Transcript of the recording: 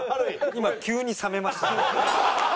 今急に冷めましたね。